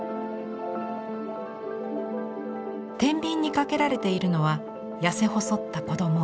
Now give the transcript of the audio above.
天秤にかけられているのは痩せ細った子ども。